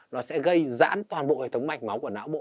nó sẽ gây giãn toàn bộ hệ thống mạch máu của não bộ